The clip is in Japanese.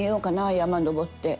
山登って。